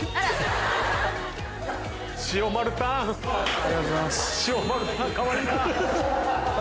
ありがとうございます。